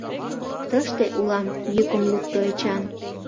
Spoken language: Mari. — Тыште улам, — йӱкым лукто Эчан.